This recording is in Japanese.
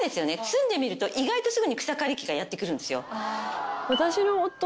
住んでみると意外とすぐに草刈り期がやって来るんですよ。